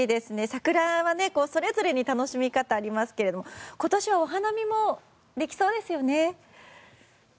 桜はそれぞれに楽しみ方がありますが今年はお花見もできそうですよね。